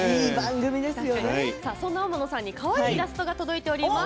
そんな天野さんにかわいいイラストが届いています。